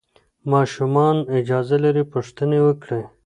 ماشومان اجازه لري پوښتنه وکړي.